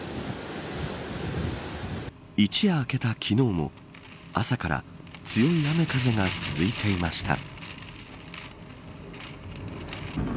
一夜明けた昨日も朝から強い雨風が続いていました。